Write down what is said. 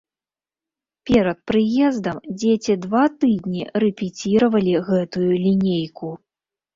Перад прыездам дзеці два тыдні рэпеціравалі гэтую лінейку.